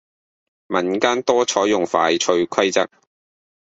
民間多採用快脆規則